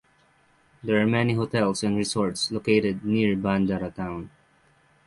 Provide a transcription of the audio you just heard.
There are many hotels and resorts located near Bhandara town.